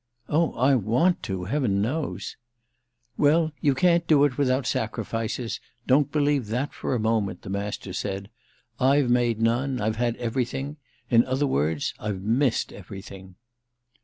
"Oh I want to, heaven knows!" "Well, you can't do it without sacrifices—don't believe that for a moment," the Master said. "I've made none. I've had everything. In other words I've missed everything."